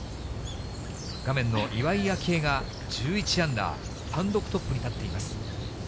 画面の岩井明愛が１１アンダー、単独トップに立っています。